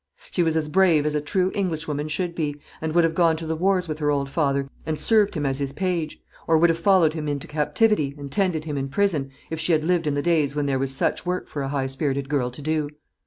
She was as brave as a true Englishwoman should be, and would have gone to the wars with her old father, and served him as his page; or would have followed him into captivity, and tended him in prison, if she had lived in the days when there was such work for a high spirited girl to do.